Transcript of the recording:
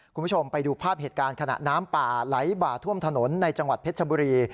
คุณผู้ชมไปดูภาพเหตุการณ์ขณะน้ำป่าไหลบ่าท่วมถนนในจังหวัดเพชรชบุรี